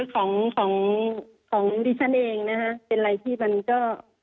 ของของดิฉันเองนะฮะเป็นอะไรที่มันก็